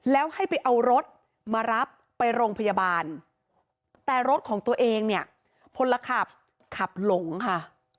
แล้วให้ไปเอารถมารับไปโรงพยาบาลแต่รถของตัวเองเนี่ยพลขับขับหลงค่ะ